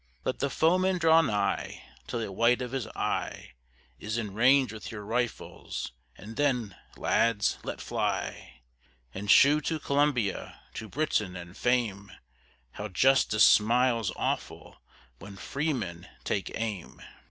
"Let the Foeman draw nigh, Till the white of his Eye Is in range with your Rifles, and then, Lads, let fly! And shew to Columbia, to Britain, and Fame, How Justice smiles aweful, when Freemen take aim!"